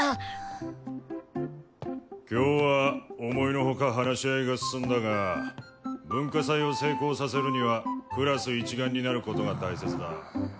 今日は思いのほか話し合いが進んだが文化祭を成功させるにはクラス一丸になることが大切だ。